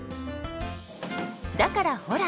だからほら！